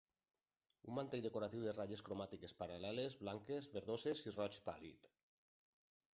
Un mantell decoratiu de ratlles cromàtiques paral·leles, blanques, verdoses i roig pàl·lid.